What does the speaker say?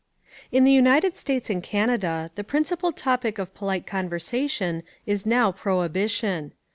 IN the United States and Canada the principal topic of polite conversation is now prohibition.